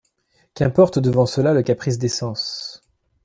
Qu'importe, devant cela, le caprice des sens?